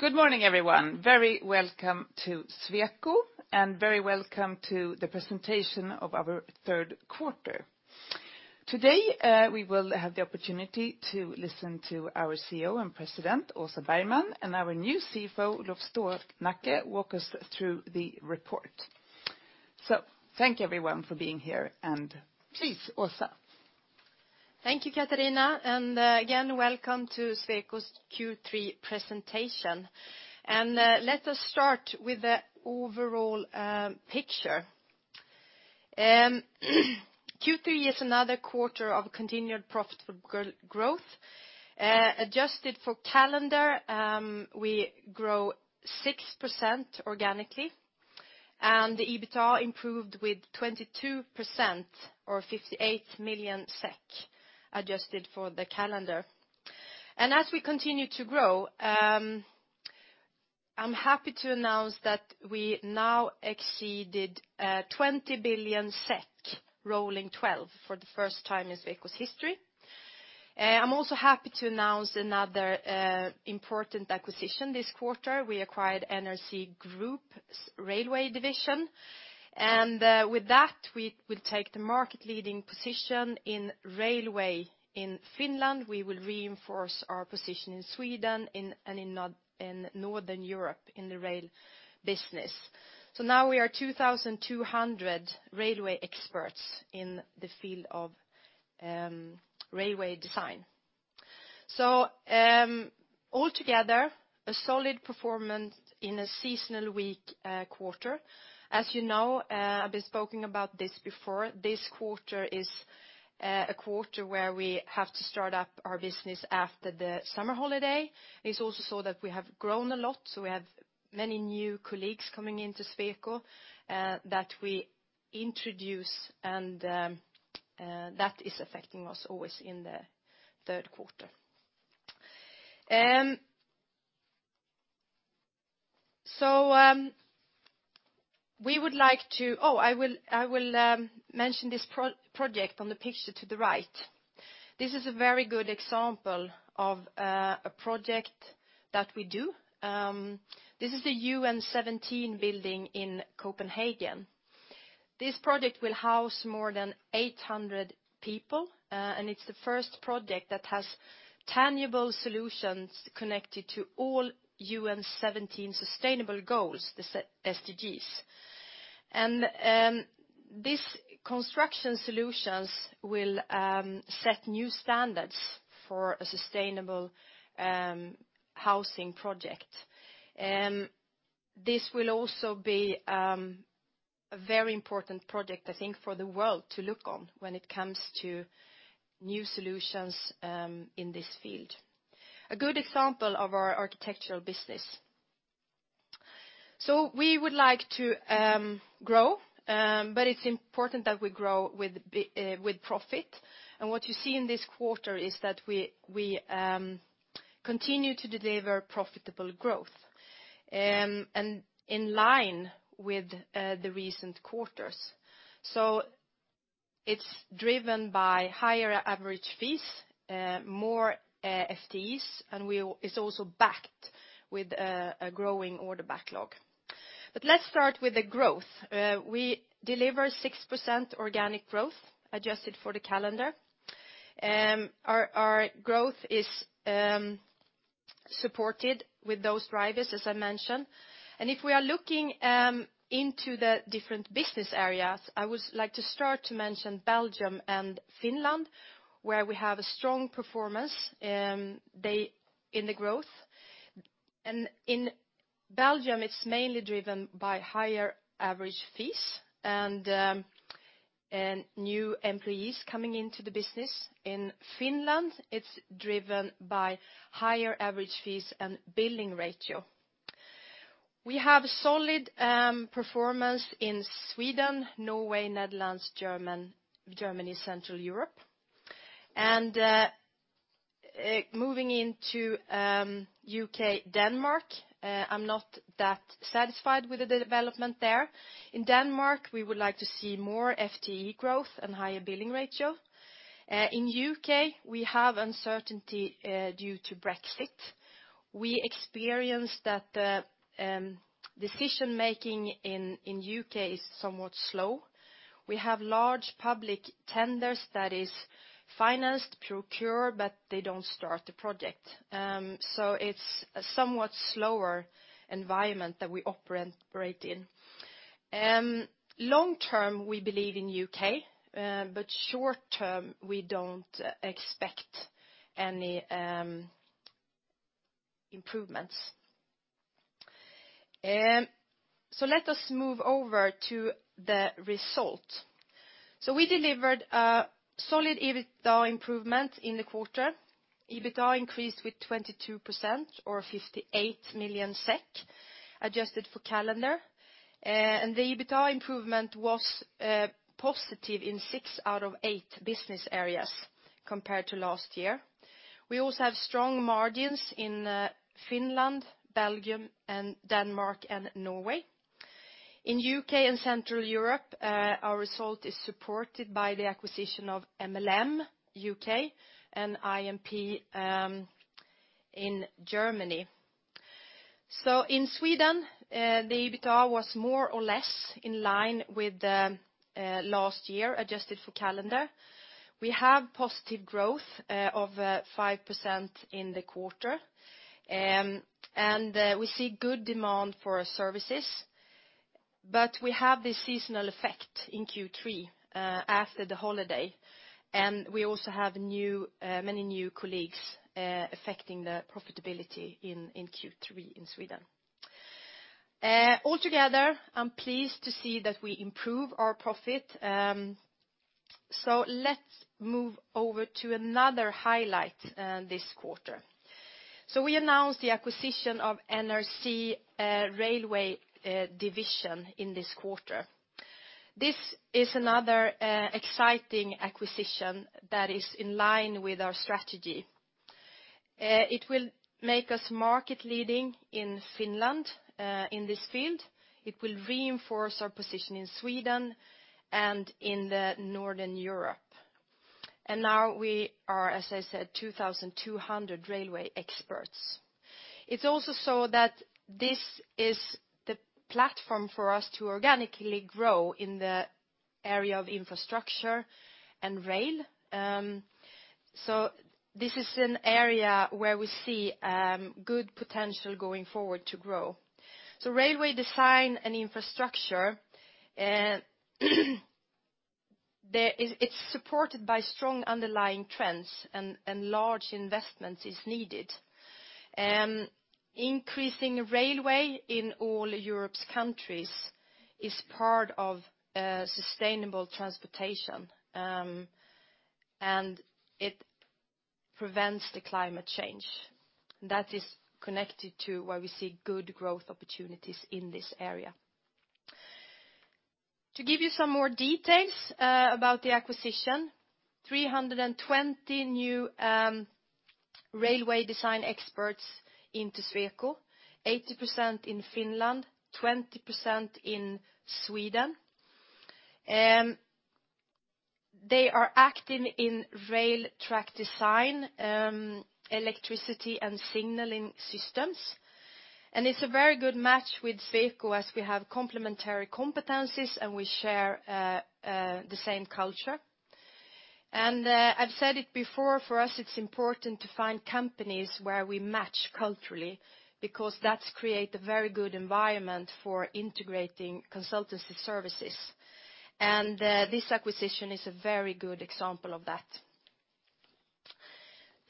Good morning, everyone. Very welcome to Sweco, and very welcome to the presentation of our third quarter. Today, we will have the opportunity to listen to our CEO and president, Åsa Bergman, and our new CFO, Olof Stålnacke, walk us through the report. So thank you, everyone, for being here, and please, Åsa. Thank you, Katarina, again, welcome to Sweco's Q3 presentation. Let us start with the overall picture. Q3 is another quarter of continued profitable growth. Adjusted for calendar, we grow 6% organically, and the EBITDA improved with 22% or 58 million SEK, adjusted for the calendar. As we continue to grow, I'm happy to announce that we now exceeded 20 billion SEK rolling 12 for the first time in Sweco's history. I'm also happy to announce another important acquisition this quarter. We acquired NRC Group's railway division, and with that, we will take the market-leading position in railway in Finland. We will reinforce our position in Sweden and in Northern Europe in the rail business. Now we are 2,200 railway experts in the field of railway design. So, altogether, a solid performance in a seasonal weak quarter. As you know, I've been speaking about this before, this quarter is a quarter where we have to start up our business after the summer holiday. It's also so that we have grown a lot, so we have many new colleagues coming into Sweco that we introduce, and that is affecting us always in the third quarter. So, we would like to... Oh, I will, I will, mention this project on the picture to the right. This is a very good example of a project that we do. This is the UN17 building in Copenhagen. This project will house more than 800 people, and it's the first project that has tangible solutions connected to all UN17 sustainable goals, the SDGs. This construction solutions will set new standards for a sustainable housing project. This will also be a very important project, I think, for the world to look on when it comes to new solutions in this field. A good example of our architectural business. We would like to grow, but it's important that we grow with profit. What you see in this quarter is that we continue to deliver profitable growth and in line with the recent quarters. It's driven by higher average fees, more FTEs, and it's also backed with a growing order backlog. Let's start with the growth. We deliver 6% organic growth, adjusted for the calendar. Our growth is supported with those drivers, as I mentioned. And if we are looking into the different business areas, I would like to start to mention Belgium and Finland, where we have a strong performance in the growth. In Belgium, it's mainly driven by higher average fees and, and new employees coming into the business. In Finland, it's driven by higher average fees and billing ratio. We have solid performance in Sweden, Norway, Netherlands, Germany, Central Europe. Moving into U.K., Denmark, I'm not that satisfied with the development there. In Denmark, we would like to see more FTE growth and higher billing ratio. In U.K., we have uncertainty due to Brexit. We experienced that the decision-making in U.K. is somewhat slow. We have large public tenders that is financed, procured, but they don't start the project. So it's a somewhat slower environment that we operate in. Long term, we believe in U.K., but short term, we don't expect any improvements. So let us move over to the result. So we delivered a solid EBITDA improvement in the quarter. EBITDA increased with 22% or 58 million SEK, adjusted for calendar. And the EBITDA improvement was positive in six out of eight business areas compared to last year. We also have strong margins in Finland, Belgium, and Denmark, and Norway. In U.K. and Central Europe, our result is supported by the acquisition of MLM U.K., and IMP in Germany. So in Sweden, the EBITDA was more or less in line with the last year, adjusted for calendar. We have positive growth of 5% in the quarter. We see good demand for our services, but we have the seasonal effect in Q3 after the holiday. We also have many new colleagues affecting the profitability in Q3 in Sweden. Altogether, I'm pleased to see that we improve our profit. Let's move over to another highlight this quarter. We announced the acquisition of NRC Railway Division in this quarter. This is another exciting acquisition that is in line with our strategy. It will make us market leading in Finland in this field. It will reinforce our position in Sweden and in Northern Europe. Now we are, as I said, 2,200 railway experts. It's also so that this is the platform for us to organically grow in the area of infrastructure and rail. So this is an area where we see good potential going forward to grow. So railway design and infrastructure, it's supported by strong underlying trends, and large investment is needed. Increasing railway in all Europe's countries is part of sustainable transportation, and it prevents the climate change. That is connected to why we see good growth opportunities in this area. To give you some more details about the acquisition, 320 new railway design experts into Sweco, 80% in Finland, 20% in Sweden. They are acting in rail track design, electricity, and signaling systems. And it's a very good match with Sweco, as we have complementary competencies, and we share the same culture. I've said it before, for us, it's important to find companies where we match culturally, because that creates a very good environment for integrating consultancy services. This acquisition is a very good example of that.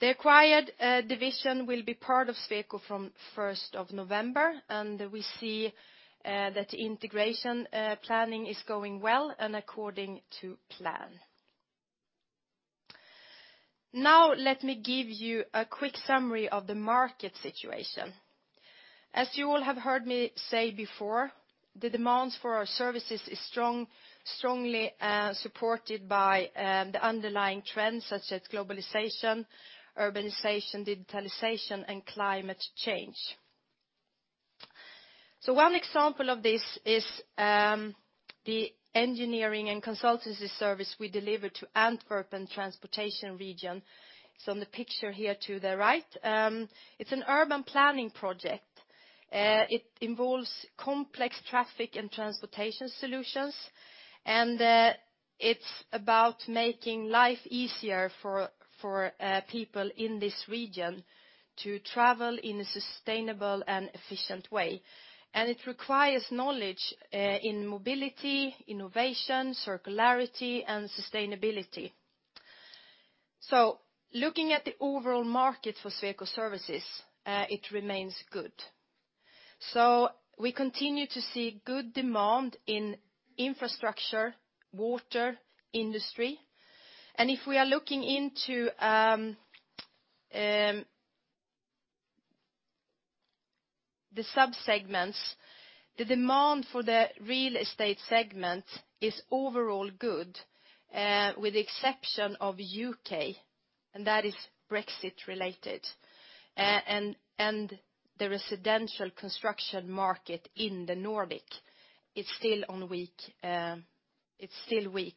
The acquired division will be part of Sweco from 1st of November, and we see that integration planning is going well and according to plan. Now, let me give you a quick summary of the market situation. As you all have heard me say before, the demands for our services is strongly supported by the underlying trends such as globalization, urbanization, digitalization, and climate change. One example of this is the engineering and consultancy service we deliver to Antwerp Transportation Region. In the picture here to the right, it's an urban planning project. It involves complex traffic and transportation solutions, and it's about making life easier for people in this region to travel in a sustainable and efficient way. And it requires knowledge in mobility, innovation, circularity, and sustainability. So looking at the overall market for Sweco services, it remains good. So we continue to see good demand in infrastructure, water, industry. And if we are looking into the sub-segments, the demand for the real estate segment is overall good, with the exception of U.K., and that is Brexit related. And the residential construction market in the Nordic is still weak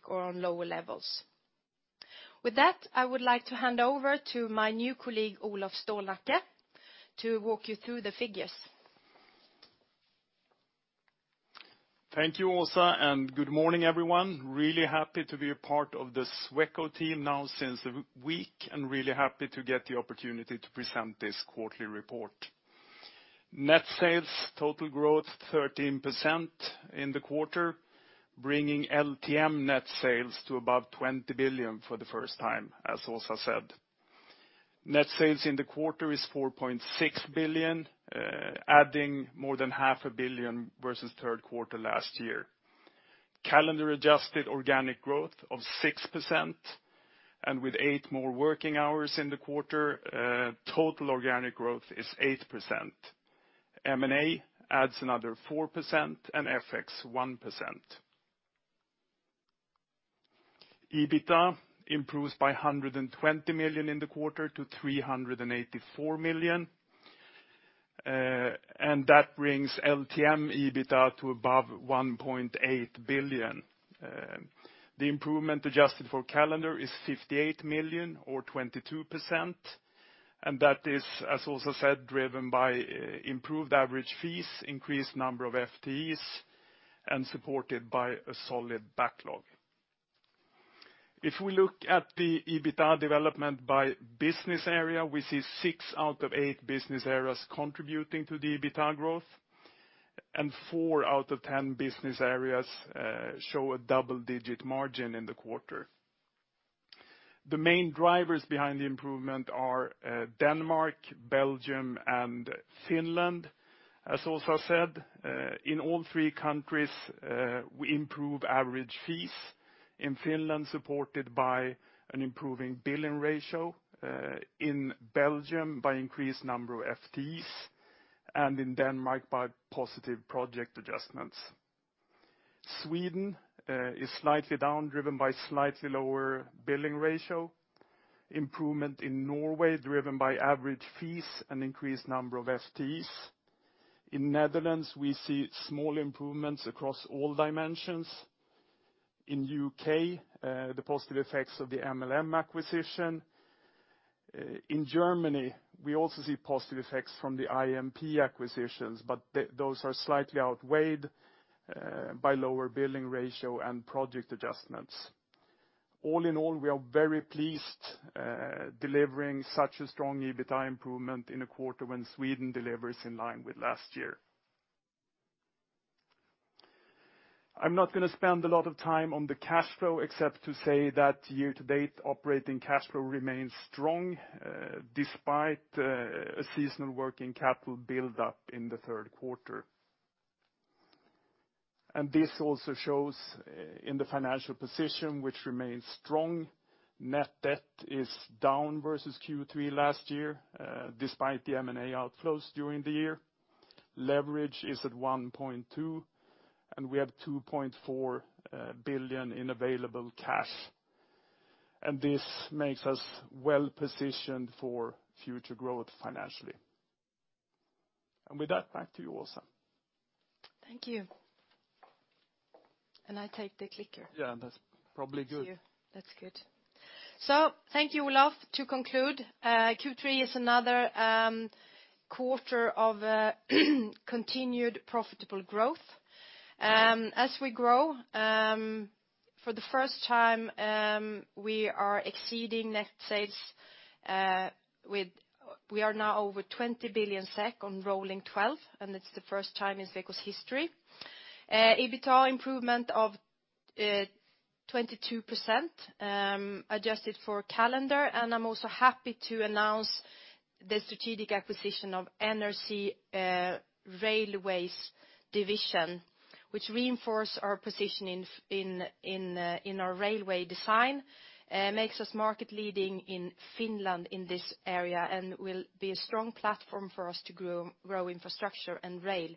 or on lower levels. With that, I would like to hand over to my new colleague, Olof Stålnacke, to walk you through the figures. Thank you, Åsa, and good morning, everyone. Really happy to be a part of the Sweco team now since a week, and really happy to get the opportunity to present this quarterly report. Net sales, total growth, 13% in the quarter, bringing LTM net sales to above 20 billion for the first time, as Åsa said. Net sales in the quarter is 4.6 billion, adding more than 0.5 billion versus third quarter last year. Calendar-adjusted organic growth of 6%, and with eight more working hours in the quarter, total organic growth is 8%. M&A adds another 4%, and FX, 1%. EBITDA improves by 120 million in the quarter to 384 million. And that brings LTM EBITDA to above 1.8 billion. The improvement adjusted for calendar is 58 million or 22%, and that is, as also said, driven by improved average fees, increased number of FTEs, and supported by a solid backlog. If we look at the EBITDA development by business area, we see six out of eight business areas contributing to the EBITDA growth, and four out of 10 business areas show a double-digit margin in the quarter. The main drivers behind the improvement are Denmark, Belgium, and Finland. As also said, in all three countries, we improve average fees. In Finland, supported by an improving billing ratio, in Belgium, by increased number of FTEs, and in Denmark, by positive project adjustments. Sweden is slightly down, driven by slightly lower billing ratio. Improvement in Norway, driven by average fees and increased number of FTEs. In Netherlands, we see small improvements across all dimensions. In U.K., the positive effects of the MLM acquisition. In Germany, we also see positive effects from the IMP acquisitions, but those are slightly outweighed by lower billing ratio and project adjustments. All in all, we are very pleased delivering such a strong EBITDA improvement in a quarter when Sweden delivers in line with last year. I'm not gonna spend a lot of time on the cash flow, except to say that year-to-date operating cash flow remains strong despite a seasonal working capital build-up in the third quarter. And this also shows in the financial position, which remains strong. Net debt is down versus Q3 last year despite the M&A outflows during the year. Leverage is at 1.2, and we have 2.4 billion in available cash, and this makes us well-positioned for future growth financially. With that, back to you, Åsa. Thank you. I take the clicker. Yeah, that's probably good. Thank you. That's good. So thank you, Olof. To conclude, Q3 is another quarter of continued profitable growth. As we grow, for the first time, we are exceeding net sales. We are now over 20 billion SEK on rolling twelve, and it's the first time in Sweco's history. EBITDA improvement of 22%, adjusted for calendar, and I'm also happy to announce the strategic acquisition of NRC Railways division, which reinforce our position in our railway design, makes us market-leading in Finland in this area, and will be a strong platform for us to grow infrastructure and rail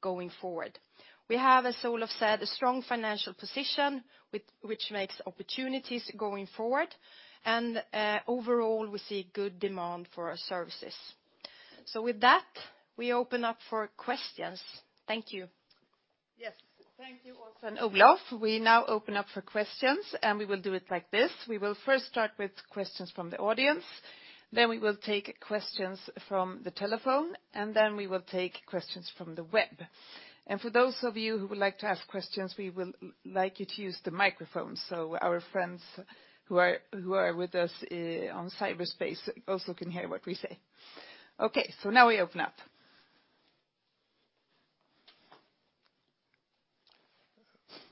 going forward. We have, as Olof said, a strong financial position, which makes opportunities going forward, and overall, we see good demand for our services. With that, we open up for questions. Thank you. Yes. Thank you, Åsa and Olof. We now open up for questions, and we will do it like this: We will first start with questions from the audience, then we will take questions from the telephone, and then we will take questions from the web. And for those of you who would like to ask questions, we will like you to use the microphone, so our friends who are with us on cyberspace also can hear what we say. Okay, so now we open up.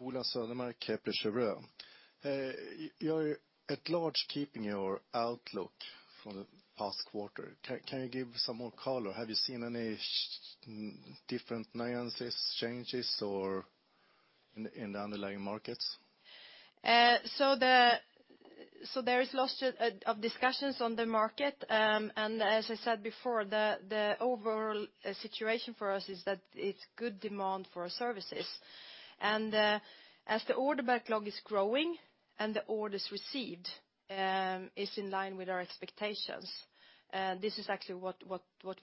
Ola Södermark, Kepler Cheuvreux. You're largely keeping your outlook from the past quarter. Can you give some more color? Have you seen any different nuances, changes, or... in the underlying markets? So there is lots of discussions on the market, and as I said before, the overall situation for us is that it's good demand for our services. And as the order backlog is growing and the orders received is in line with our expectations, this is actually what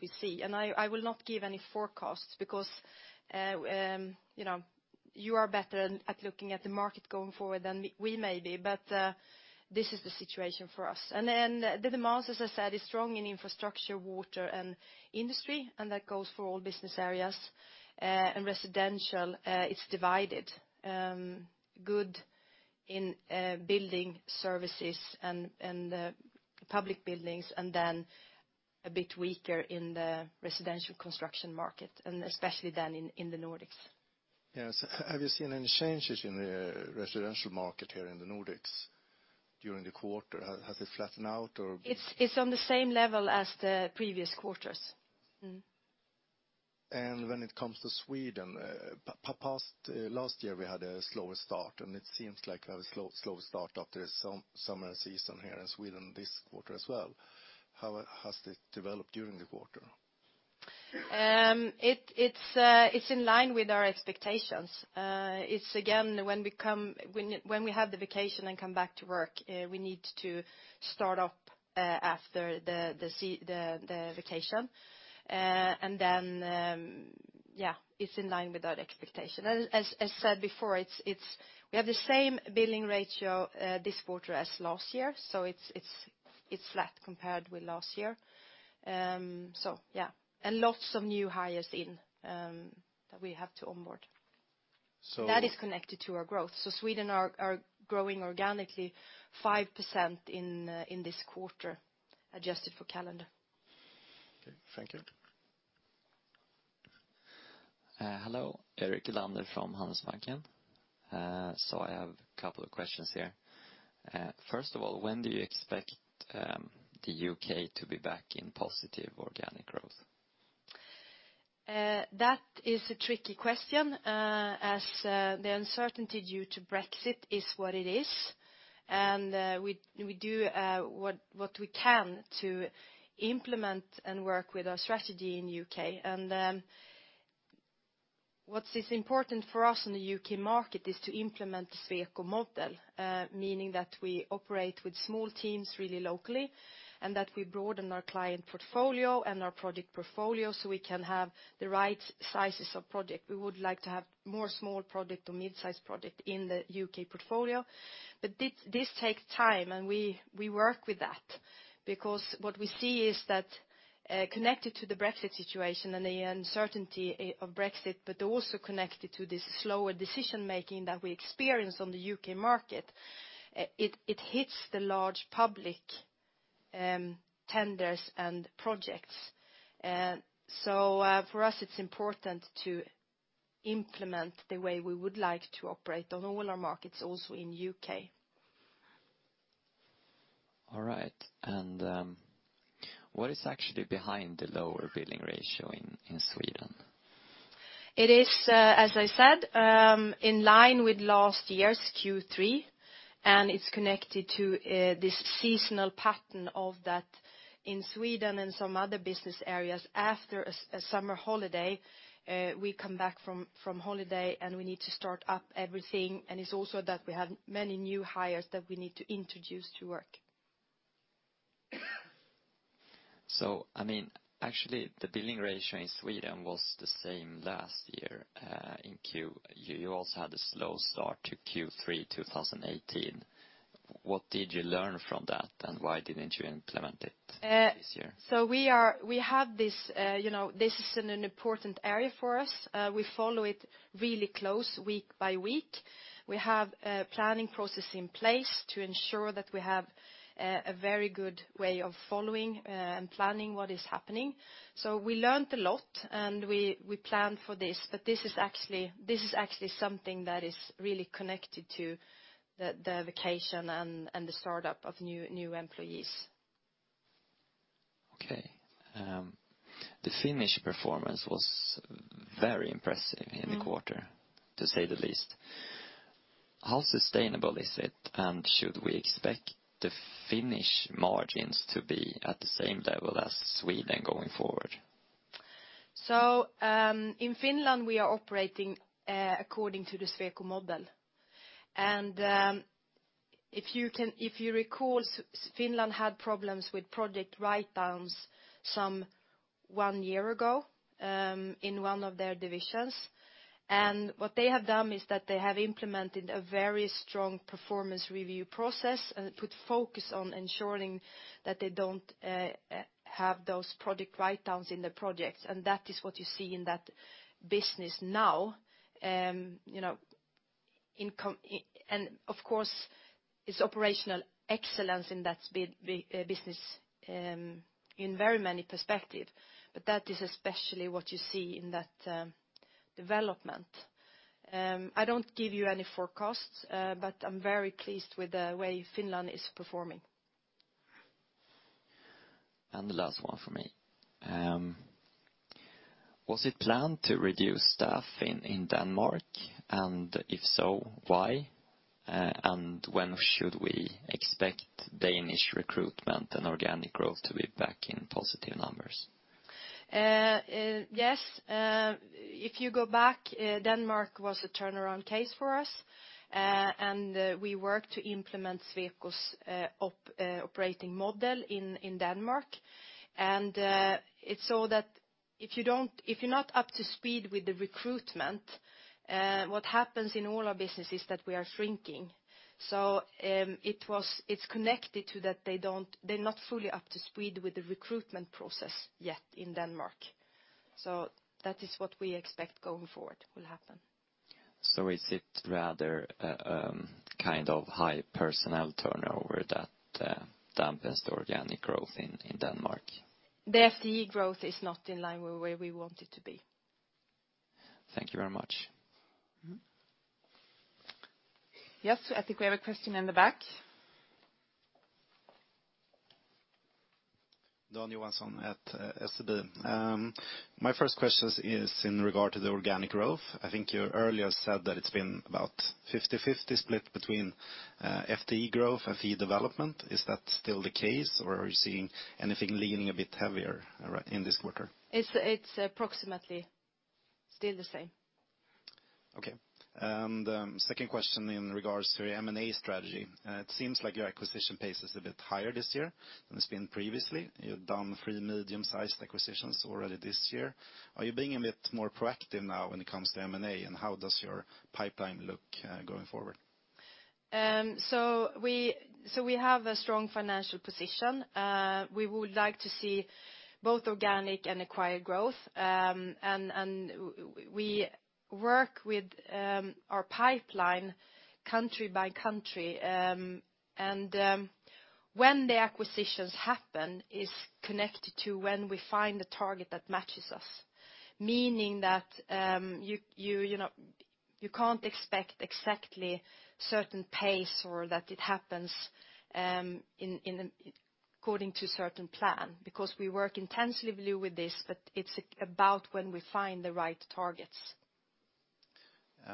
we see. And I will not give any forecasts because, you know, you are better at looking at the market going forward than we may be, but this is the situation for us. And then the demands, as I said, is strong in infrastructure, water, and industry, and that goes for all business areas. And residential, it's divided. Good in building services and public buildings, and then a bit weaker in the residential construction market, and especially then in the Nordics. Yes. Have you seen any changes in the residential market here in the Nordics during the quarter? Has it flattened out, or- It's on the same level as the previous quarters. Mm-hmm. When it comes to Sweden, last year we had a slower start, and it seems like a slow, slow start after summer season here in Sweden this quarter as well. How has it developed during the quarter? It's in line with our expectations. It's again, when we have the vacation and come back to work, we need to start up after the vacation. And then it's in line with our expectation. As I said before, it's we have the same billing ratio this quarter as last year, so it's flat compared with last year. So yeah, and lots of new hires that we have to onboard. So. That is connected to our growth. So Sweden are growing organically 5% in this quarter, adjusted for calendar. Okay. Thank you. Hello, Erik Linder from Handelsbanken. I have a couple of questions here. First of all, when do you expect the U.K. to be back in positive organic growth? That is a tricky question, as the uncertainty due to Brexit is what it is. We do what we can to implement and work with our strategy in the U.K. What is important for us in the U.K. market is to implement the Sweco model, meaning that we operate with small teams really locally, and that we broaden our client portfolio and our project portfolio so we can have the right sizes of project. We would like to have more small project or mid-sized project in the U.K. portfolio. But this take time, and we work with that because what we see is that, connected to the Brexit situation and the uncertainty of Brexit, but also connected to this slower decision-making that we experience on the U.K. market, it hits the large public tenders and projects. So, for us, it's important to implement the way we would like to operate on all our markets, also in U.K. All right. What is actually behind the lower billing ratio in Sweden? It is, as I said, in line with last year's Q3, and it's connected to, this seasonal pattern of that in Sweden and some other business areas. After a summer holiday, we come back from holiday, and we need to start up everything. And it's also that we have many new hires that we need to introduce to work. So I mean, actually, the billing ratio in Sweden was the same last year in Q3. You also had a slow start to Q3 2018. What did you learn from that, and why didn't you implement it this year? So we have this, you know, this is an important area for us. We follow it really close, week by week. We have a planning process in place to ensure that we have a very good way of following and planning what is happening. So we learned a lot, and we planned for this, but this is actually something that is really connected to the vacation and the startup of new employees. Okay. The Finnish performance was very impressive- Mm. In the quarter, to say the least. How sustainable is it, and should we expect the Finnish margins to be at the same level as Sweden going forward? So, in Finland, we are operating according to the Sweco model. And, if you can, if you recall, Finland had problems with project write-downs some one year ago, in one of their divisions. And what they have done is that they have implemented a very strong performance review process and put focus on ensuring that they don't have those project write-downs in the projects. And that is what you see in that business now. You know, and of course, it's operational excellence in that business, in very many perspective, but that is especially what you see in that development. I don't give you any forecasts, but I'm very pleased with the way Finland is performing. The last one from me. Was it planned to reduce staff in Denmark? And if so, why? And when should we expect Danish recruitment and organic growth to be back in positive numbers? Yes. If you go back, Denmark was a turnaround case for us. And we worked to implement Sweco's operating model in Denmark. And it's so that if you don't—if you're not up to speed with the recruitment, what happens in all our business is that we are shrinking. So, it was—it's connected to that they don't—they're not fully up to speed with the recruitment process yet in Denmark. So that is what we expect going forward will happen. Is it rather a kind of high personnel turnover that dampens the organic growth in Denmark? The FTE growth is not in line with where we want it to be. Thank you very much. Mm-hmm. Yes, I think we have a question in the back. Dan Johansson at SEB. My first question is in regard to the organic growth. I think you earlier said that it's been about 50/50 split between FTE growth and fee development. Is that still the case, or are you seeing anything leaning a bit heavier in this quarter? It's approximately still the same. Okay, and second question in regards to your M&A strategy. It seems like your acquisition pace is a bit higher this year than it's been previously. You've done three medium-sized acquisitions already this year. Are you being a bit more proactive now when it comes to M&A, and how does your pipeline look, going forward? We have a strong financial position. We would like to see both organic and acquired growth. We work with our pipeline country by country. When the acquisitions happen is connected to when we find a target that matches us, meaning that, you know, you can't expect exactly certain pace or that it happens in, according to certain plan. Because we work intensively with this, but it's about when we find the right targets.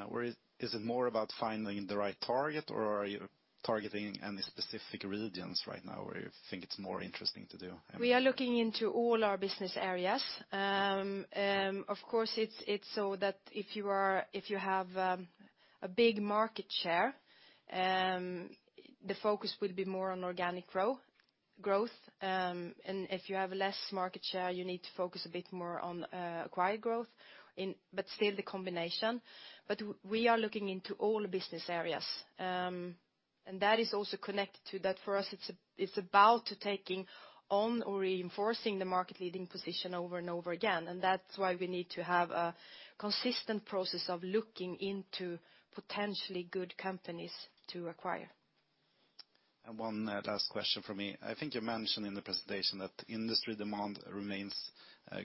Where is it more about finding the right target, or are you targeting any specific regions right now, where you think it's more interesting to do M&A? We are looking into all our business areas. Of course, it's so that if you are—if you have a big market share, the focus will be more on organic growth. And if you have less market share, you need to focus a bit more on acquired growth in... But still the combination. But we are looking into all business areas. And that is also connected to that for us, it's about to taking on or reinforcing the market leading position over and over again, and that's why we need to have a consistent process of looking into potentially good companies to acquire. One last question from me. I think you mentioned in the presentation that industry demand remains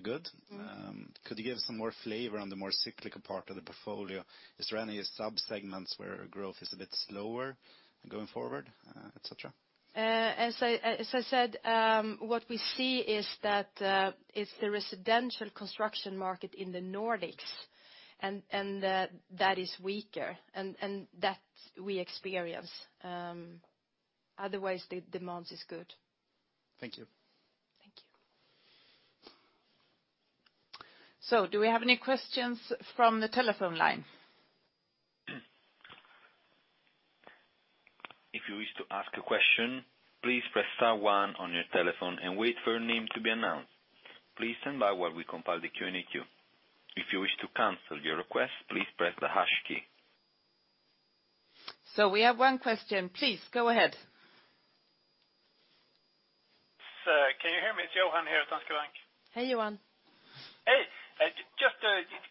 good. Mm-hmm. Could you give some more flavor on the more cyclical part of the portfolio? Is there any sub-segments where growth is a bit slower going forward, et cetera? As I said, what we see is that it's the residential construction market in the Nordics, and that is weaker, and that we experience. Otherwise, the demand is good. Thank you. Thank you. So do we have any questions from the telephone line? If you wish to ask a question, please press star one on your telephone and wait for your name to be announced. Please stand by while we compile the Q&A queue. If you wish to cancel your request, please press the hash key. We have one question. Please, go ahead. Sir, can you hear me? It's Johan here at Danske Bank. Hey, Johan. Hey, just,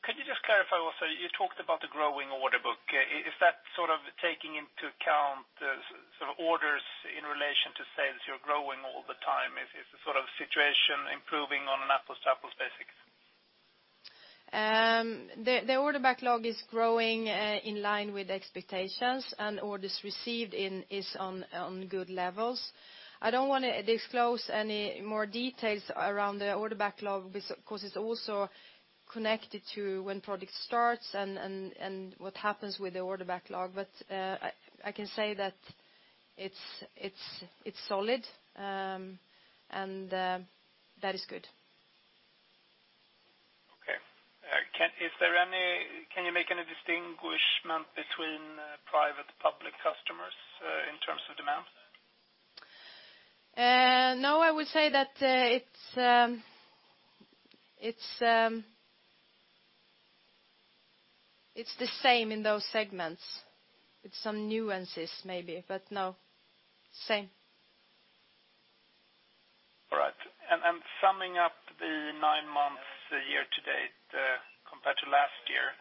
could you just clarify also, you talked about the growing order book. Is that sort of taking into account the sort of orders in relation to sales you're growing all the time? Is it sort of situation improving on an apples-to-apples basis? The order backlog is growing in line with expectations, and orders received in is on good levels. I don't wanna disclose any more details around the order backlog because it's also connected to when project starts and what happens with the order backlog. But I can say that it's solid, and that is good. Okay. Can you make any distinction between private-public customers in terms of demands? No, I would say that it's the same in those segments, with some nuances maybe, but no, same. All right. And summing up the nine months, the year to date, compared to last year,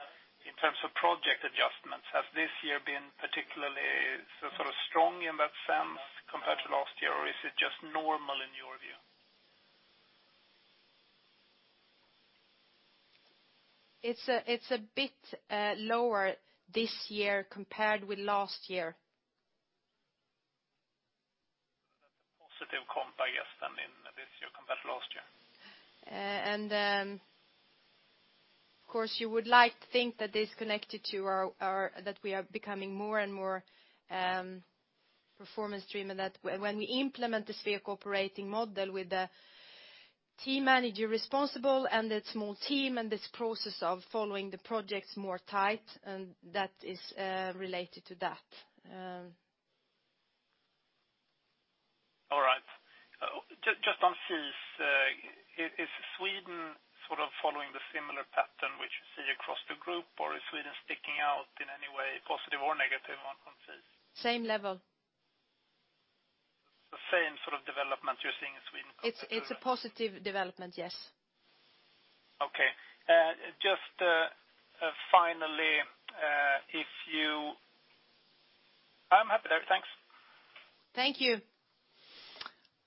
in terms of project adjustments, has this year been particularly sort of strong in that sense compared to last year, or is it just normal in your view? It's a bit lower this year compared with last year. That's a positive comp, I guess, then, in this year compared to last year. Of course, you would like to think that this connected to our, our—that we are becoming more and more, performance driven. That when we implement the sphere cooperating model with the team manager responsible, and the small team, and this process of following the projects more tight, and that is, related to that. All right. Just, just on fees, is, is Sweden sort of following the similar pattern which you see across the group, or is Sweden sticking out in any way, positive or negative on, on fees? Same level. The same sort of development you're seeing in Sweden as the rest of the. It's a positive development, yes. Okay. Just, finally, if you... I'm happy there. Thanks. Thank you.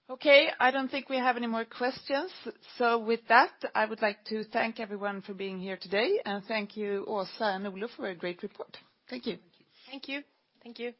Okay, I don't think we have any more questions. With that, I would like to thank everyone for being here today, and thank you, Åsa and Ola, for a great report. Thank you. Thank you. Thank you.